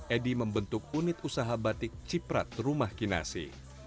edi membentuk unit usaha batik ciprat rumah kinasi